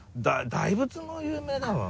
大仏も有名だわ。